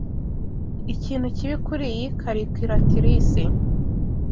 Ikintu kibi kuriyi calculatrice.